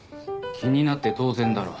気になって当然だろ。